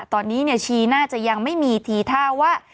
ตอนนี้ชีน่าจะยังไม่มีทีท่าว่า